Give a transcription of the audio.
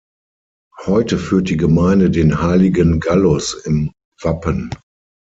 Heute führt die Gemeinde den Heiligen Gallus im Wappen.